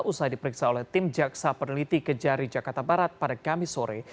usai diperiksa oleh tim jaksa peneliti kejari jakarta barat pada kamis sore